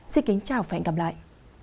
xin kính chào và hẹn gặp lại